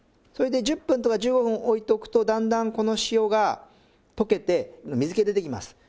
それで１０とか１５分おいておくとだんだんこの塩が溶けて水気出てきます。